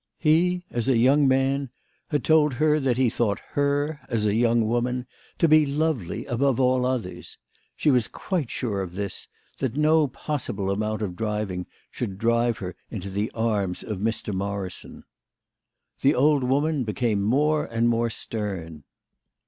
He, as a young man, had told her that he thought her, as a young woman, to be lovely above all others. She was quite sure of this that no possible amount of driving should drive her into the arms of Mr. Morrison. The old woman became more and more stern.